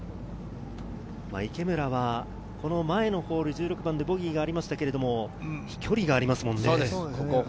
池村は前のホール１６番でボギーがありましたが、飛距離がありますもんね。